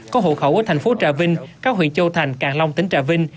có hộ khẩu ở thành phố trà vinh các huyện châu thành càng long tỉnh trà vinh